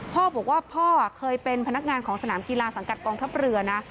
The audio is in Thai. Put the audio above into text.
พ่อบอกว่าพ่อเคยเป็นพนักงานของสนามกีฬาสังกัดกองทัพเรือนะ